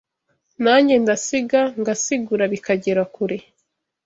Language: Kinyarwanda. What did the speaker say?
Nanjye ndasiga ngasigura bikagera kure